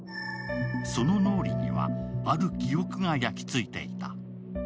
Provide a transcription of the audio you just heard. その脳裏には、ある記憶が焼きついていた。